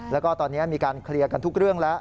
แล้วก็ตอนนี้มีการเคลียร์กันทุกเรื่องแล้ว